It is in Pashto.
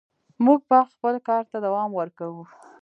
موږ به خپل کار ته دوام ورکوو.